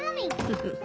フフフ。